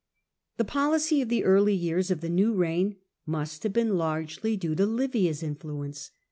The policy of the early years of the new reign must have been largely due to Livia's influence.